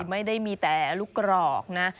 ไม่ได้มีแต่ลูกกรอกนะ